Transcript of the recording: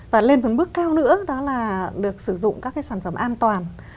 và lên một bước cao nữa đó là được sử dụng các cái sản phẩm an toàn